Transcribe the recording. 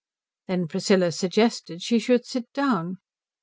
Then Priscilla suggested she should sit down.